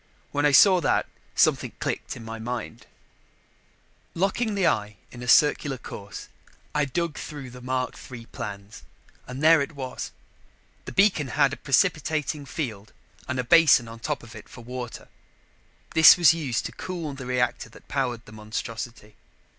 When I saw that, something clicked in my mind. Locking the eye in a circular course, I dug through the Mark III plans and there it was. The beacon had a precipitating field and a basin on top of it for water; this was used to cool the reactor that powered the monstrosity.